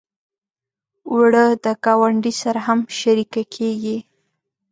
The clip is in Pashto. اوړه د ګاونډي سره هم شریکه کېږي